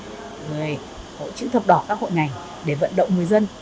người hội chữ thập đỏ các hội ngành để vận động người dân